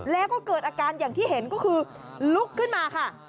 แล้วก็เกิดอาการอย่างที่เห็นก็คือลุกขึ้นมาค่ะ